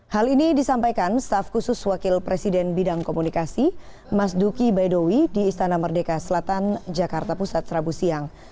hal ini disampaikan staf khusus wakil presiden bidang komunikasi mas duki baidowi di istana merdeka selatan jakarta pusat rabu siang